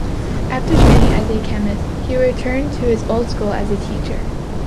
After training as a chemist, he returned to his old school as a teacher.